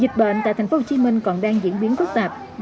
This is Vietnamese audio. dịch bệnh tại thành phố hồ chí minh còn đang diễn biến với các người lao động